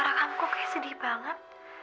raka kamu kok kayak sedih banget